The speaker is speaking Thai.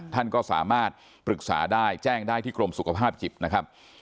ท่านก็สามารถปรึกษาได้แจ้งได้ที่กรมสุขภาพจิตนะครับ